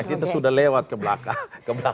kita sudah lewat ke belakang